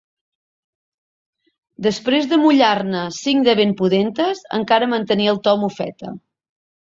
Després d'amollar-ne cinc de ben pudentes, encara mantenia el to mofeta.